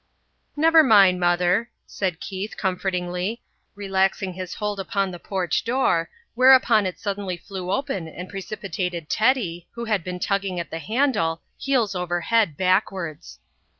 "Never mind, Mother," said Keith, comfortingly, relaxing his hold upon the porch door, whereupon it suddenly flew open and precipitated Teddy, who had been tugging at the handle, heels over head backwards.